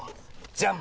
じゃん！